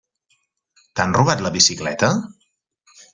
T'han robat la bicicleta?